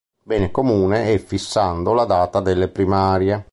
Bene Comune" e fissando la data delle primarie.